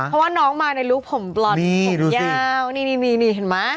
เพราะว่าน้องมาในลุคผมบลอดผมยาวนี่นี่นี่นี่เห็นมั้ย